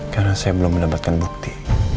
karena saya belum mendapatkan bukti